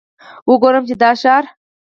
وګورم چې دا ښار.